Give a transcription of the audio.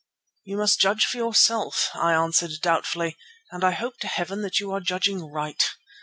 "You must judge for yourself," I answered doubtfully, "and I hope to Heaven that you are judging right.